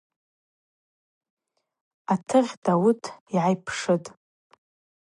Атыгъь Дауыт йгӏайпшытӏ.